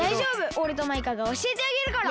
おれとマイカがおしえてあげるから。